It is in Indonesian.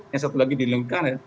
yang satu lagi di lingkungan